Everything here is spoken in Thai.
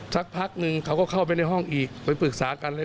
สักพักนึงเขาก็เข้าไปในห้องอีกไปปรึกษากันเลย